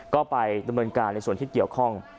ก็ไปดำเนินการในส่วนที่เกี่ยวข้อง